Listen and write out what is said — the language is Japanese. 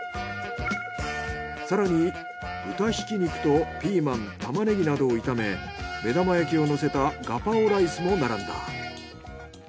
更に豚ひき肉とピーマンタマネギなどを炒め目玉焼きをのせたガパオライスも並んだ。